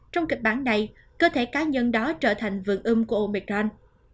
trong kịch bản này cơ thể cá nhân đó trở thành vườn ưm của omicron